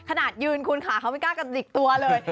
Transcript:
ขนาดยืนคุณค่ะเขาไม่กล้ากระดิกตัวเลย